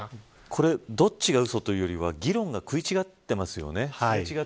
これ、どっちがうそというよりは議論が食い違っていますよね。